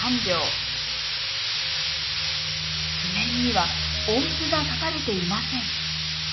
譜面には音符が書かれていません。